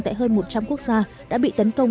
tại hơn một trăm linh quốc gia đã bị tấn công